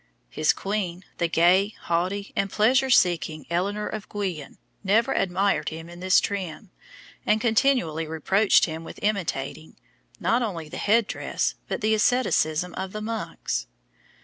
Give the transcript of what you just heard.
His queen, the gay, haughty, and pleasure seeking Eleanor of Guienne, never admired him in this trim, and continually reproached him with imitating, not only the head dress, but the asceticism of the monks.